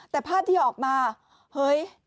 แต่ภาพที่ออกมาเฮ้ย